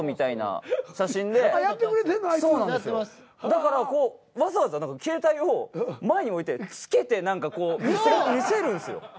だからわざわざ携帯を前に置いてつけて見せるんすよ。